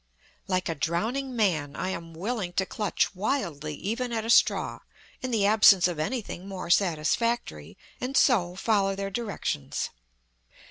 Like a drowning man, I am willing to clutch wildly even at a straw, in the absence of anything more satisfactory, and so follow their directions.